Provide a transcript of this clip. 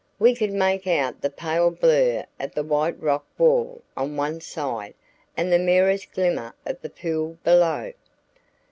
We could make out the pale blur of the white rock wall on one side and the merest glimmer of the pool below.